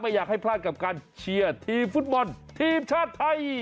อยากให้พลาดกับการเชียร์ทีมฟุตบอลทีมชาติไทย